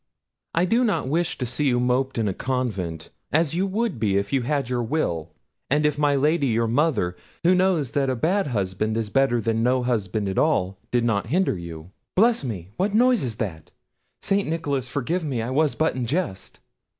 I do not wish to see you moped in a convent, as you would be if you had your will, and if my Lady, your mother, who knows that a bad husband is better than no husband at all, did not hinder you.—Bless me! what noise is that! St. Nicholas forgive me! I was but in jest."